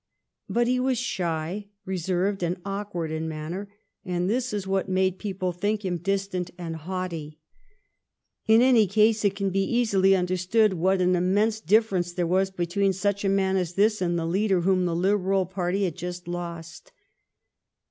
But he was shy, reserved, and awkward in manner, and this was what made people think him distant and haughty. In any (From a photognph by the London I GLADSTONE IN RETIREMENT 32 1 case it can be easily understood what an immense difference there was between such a man as this and the leader whom the Liberal party had just lost.